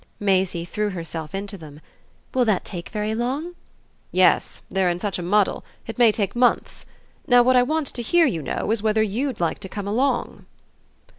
Maisie threw herself into them. "Will that take very long?" "Yes; they're in such a muddle it may take months. Now what I want to hear, you know, is whether you'd like to come along?"